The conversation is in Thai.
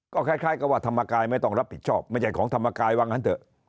ก็คล้ายกับว่าธรรมกายไม่ต้องรับผิดชอบไม่ใช่ของธรรมกายว่างั้นเถอะ